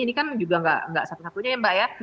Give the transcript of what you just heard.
ini kan juga nggak satu satunya ya mbak ya